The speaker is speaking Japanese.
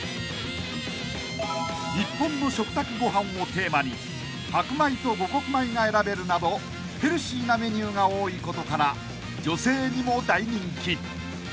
テーマに白米と五穀米が選べるなどヘルシーなメニューが多いことから女性にも大人気］